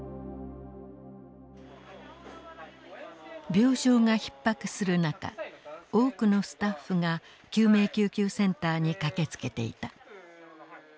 病床がひっ迫する中多くのスタッフが救命救急センターに駆けつけていた。